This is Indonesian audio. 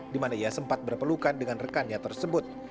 di mana ia sempat berpelukan dengan rekannya tersebut